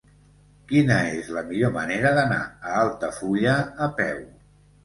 Quina és la millor manera d'anar a Altafulla a peu?